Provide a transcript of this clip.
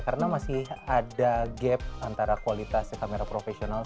karena masih ada gap antara kualitas kamera profesional